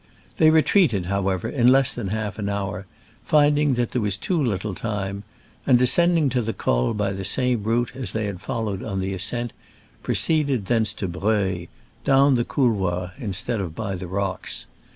They retreated, how ever, in less than half an hour, finding that there was too little time, and, de scending to the col by the same route as they had followed on the ascent, pro ceeded thence to Breuil — down the cou loir instead of by the rocks.